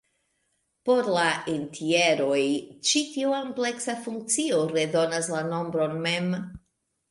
Por la entjeroj, ĉi tiu ampleksa funkcio redonas la nombron mem.